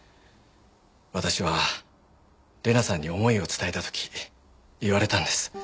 私は玲奈さんに思いを伝えた時言われたんです。